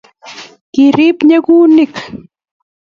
Kerip nyukunyek